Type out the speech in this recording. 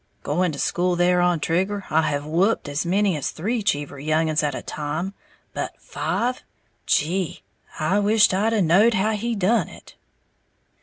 Going to school there on Trigger, I have whupped out as many as three Cheever young uns at a time; but five! Gee! I wisht I knowed how he done it!"